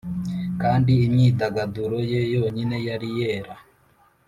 kandi imyidagaduro ye yonyine yari yera.